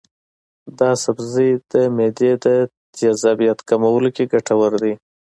دا سبزی د معدې د تیزابیت کمولو کې ګټور دی.